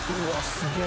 すげえ。